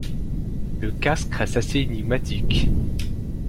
Le casque reste assez énigmatique.